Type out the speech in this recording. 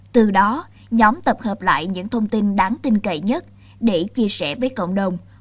từ đó nhóm tập hợp lại những thông tin đáng tin cậy nhất để chia sẻ với cộng đồng